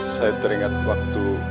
saya teringat waktu